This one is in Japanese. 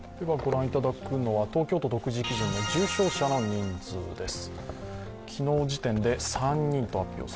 御覧いただくのは東京都独自基準の重症者の人数です。